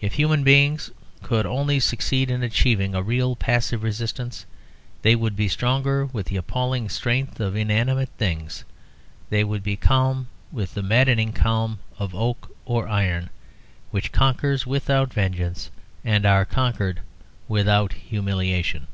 If human beings could only succeed in achieving a real passive resistance they would be strong with the appalling strength of inanimate things, they would be calm with the maddening calm of oak or iron, which conquer without vengeance and are conquered without humiliation.